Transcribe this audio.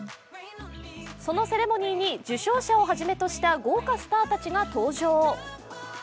そのセレモニーに受賞者をはじめとした豪華スターが登場。